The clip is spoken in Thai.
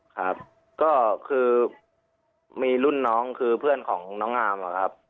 ครับก็คือมีรุ่นน้องคือเพื่อนของน้องอาร์มอะครับ